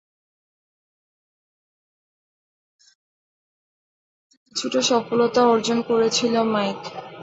এতে কিছুটা সফলতা অর্জন করেছিল মাইক।